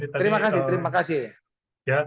terima kasih terima kasih